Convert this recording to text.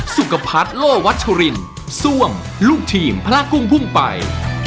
สุขภัทรโลวัชรินซ่วงลูกทีมพระกุ้งพุ่งไป